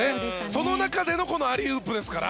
その中でのこのアリウープですから。